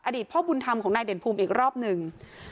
พ่อบุญธรรมของนายเด่นภูมิอีกรอบหนึ่ง